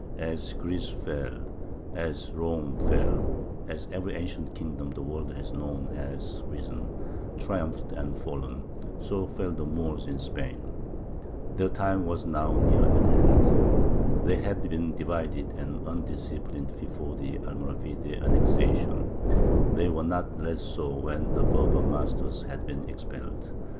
As Greece fell, as Rome fell, as every ancient kingdom the world has known has risen, triumphed, and fallen, so fell the Moors in Spain. Their time was now near at hand. They had been divided and undisciplined before the Almoravide annexation: they were not less so when their Berber masters had been expelled.